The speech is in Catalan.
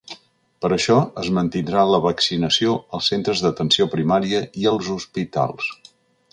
Per això, es mantindrà la vaccinació als centres d’atenció primària i als hospitals.